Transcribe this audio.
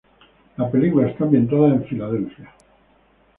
La película está ambientada en Filadelfia.